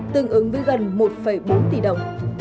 tương ứng với gần một bốn tỷ đồng